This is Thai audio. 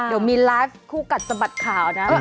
เดี๋ยวมีไลฟ์คู่กัดสะบัดข่าวนะ